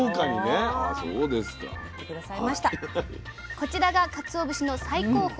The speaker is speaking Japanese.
こちらがかつお節の最高峰